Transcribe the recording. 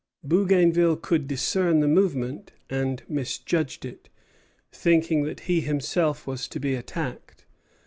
Bougainville could discern the movement, and misjudged it, thinking that he himself was to be attacked.